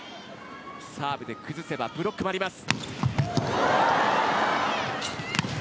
サーブで崩せばブロックもあります。